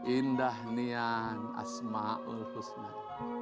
indah niang asma'ul husman